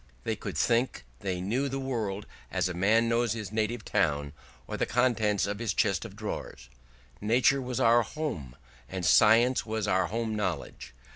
They could think they knew the world as a man knows his native town, or the contents of his chest of drawers: nature was our home, and science was our home knowledge.